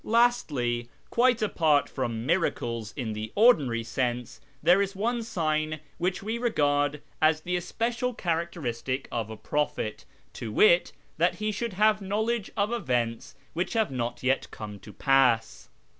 Lastly, quite apart from miracles in the ordinary sense, there is one sign which w^e regard as the especial characteristic of a prophet, to wit, that he should have knowledge of events which have not yet come to pass.